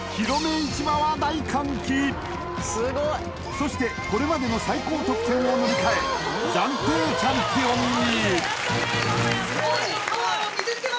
そしてこれまでの最高得点を塗り替え暫定チャンピオンに！